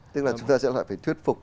tức là chúng ta sẽ phải thuyết phục